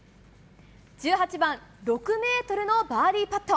１８番、６ｍのバーディーパット。